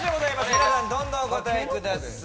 皆さま、どんどんお答えください。